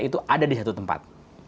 itu ada di satu tempat